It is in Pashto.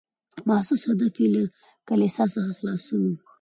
محسوس هدف یې له کلیسا څخه خلاصون و.